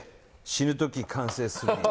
「死ぬ時に完成するんや！」